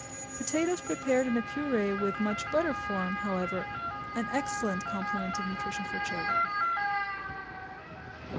Potatoes prepared in a purée with much butter form, however, an excellent complement of nutrition for children.